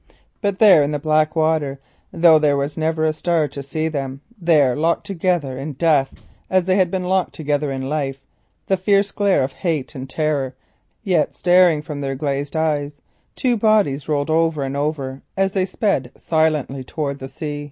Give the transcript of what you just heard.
But there in the black water, though there was never a star to see them, there, locked together in death as they had been locked together in life, the fierce glare of hate and terror yet staring from their glazed eyes, two bodies rolled over and over as they sped silently towards the sea.